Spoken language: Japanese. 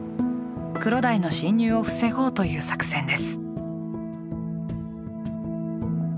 クロダイの侵入を防ごうという作戦です。